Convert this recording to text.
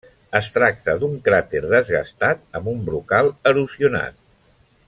Es tracta d'un cràter desgastat amb un brocal erosionat.